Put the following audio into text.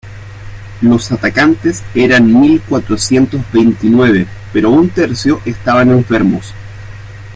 Los atacantes eran mil cuatrocientos veintinueve, pero un tercio estaban enfermos.